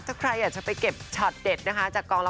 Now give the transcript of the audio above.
เจ้าใครอาจจะไปเก็บช็อตเด็ดนะคะ